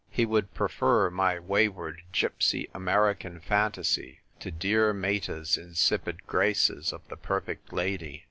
He would prefer my wayward Gypsy American fantasy to dear Meta's insipid graces of the perfect lady.